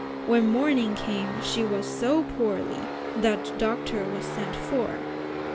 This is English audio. When morning came she was so "poorly" that the doctor was sent for.